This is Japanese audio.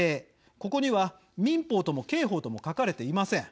ここには民法と刑法とも書かれていません。